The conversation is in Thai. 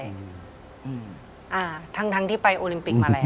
อเจมส์ทั้งที่ไปโอลิมปิกมาแล้ว